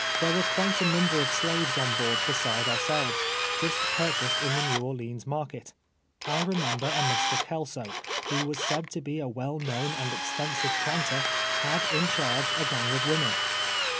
There were quite a number of slaves on board beside ourselves, just purchased in the jSTew Orleans market. I remember a Mr. Kelsow, who was said to be a well known and extensive planter, had in charge a gang of women.